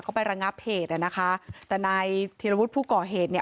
ก็ไปรังงับเหตุเนี่ยนะคะแต่ในเทียร์ละวุฒิผู้ก่อเหตุเนี่ย